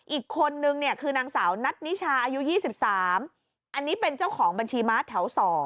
อีกคนนึงเนี่ยคือนางสาวนัทนิชาอายุ๒๓อันนี้เป็นเจ้าของบัญชีม้าแถว๒